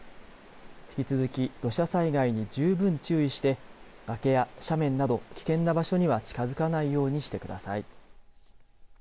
引き続き土砂災害に十分注意して崖や斜面など危険な場所には近づかないようにしてください。